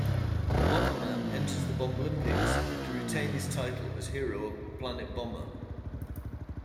Bomberman enters the Bomblympics to retain his title as the hero of Planet Bomber.